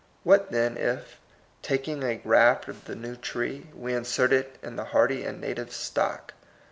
What then, if, taking a graft of the new tree, we insert it in the hardy and native stock?